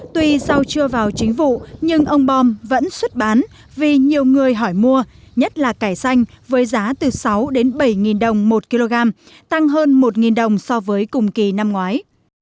tuy rau chưa vào chính vụ nhưng ông bom vẫn xuất bán vì nhiều người hỏi mua nhất là cải xanh với giá từ sáu đến bảy đồng một kg tăng hơn một đồng so với cùng kỳ năm ngoái